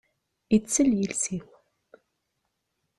Ittel yiles-iw.